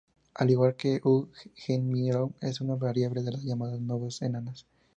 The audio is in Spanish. Al igual que U Geminorum es una variable de las llamadas novas enanas.